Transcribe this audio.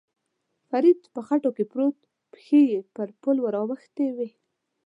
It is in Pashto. فرید په خټو کې پروت، پښې یې پر پل ور اوښتې وې.